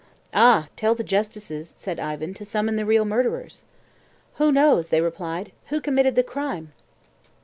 "Ah, tell the justices," said Ivan, "to summon the real murderers." "Who knows," they replied, "who committed the crime?"